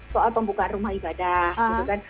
soal pembukaan rumah ibadah gitu kan